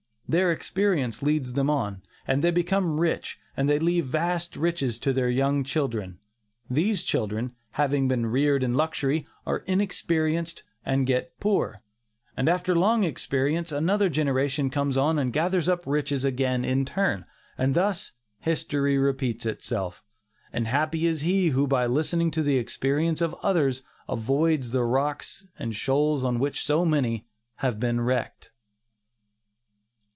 Their experience leads them on, and they become rich, and they leave vast riches to their young children. These children, having been reared in luxury, are inexperienced and get poor; and after long experience another generation comes on and gathers up riches again in turn. And thus "history repeats itself," and happy is he who by listening to the experience of others avoids the rocks and shoals on which so many have been wrecked.